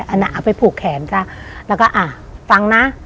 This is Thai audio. อันนั้นอาจไปผูกแขนละก็อ่าฟังนะ